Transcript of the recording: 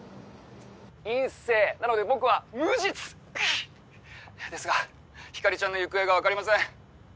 陰性！なので僕は無実！ですが光莉ちゃんの行方が分かりません。